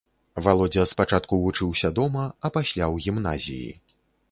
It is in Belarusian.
Валодзя спачатку вучыўся дома, а пасля ў гімназіі.